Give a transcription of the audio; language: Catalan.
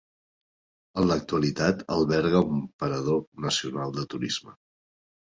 En l'actualitat alberga un Parador Nacional de Turisme.